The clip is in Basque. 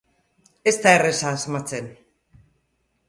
Ez da erraza asmatzen.